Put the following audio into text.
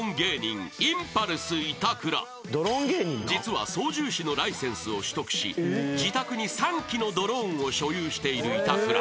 ［実は操縦士のライセンスを取得し自宅に３機のドローンを所有している板倉］